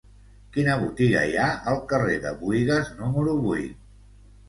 Quina botiga hi ha al carrer de Buïgas número vuit?